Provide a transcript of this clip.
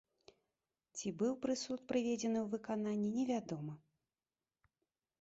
Ці быў прысуд прыведзены ў выкананне, невядома.